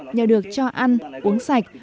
nhờ được cho ăn uống sạch